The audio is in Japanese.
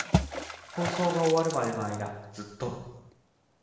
放送が終わるまでの間、ずっと。